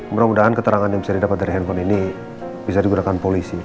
mudah mudahan keterangan yang bisa didapat dari handphone ini bisa digunakan polisi